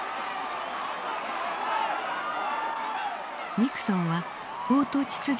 ニクソンは法と秩序の回復